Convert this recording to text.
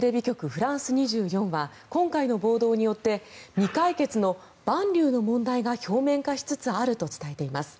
フランス２４は今回の暴動によって未解決のバンリューの問題が表面化しつつあると伝えています。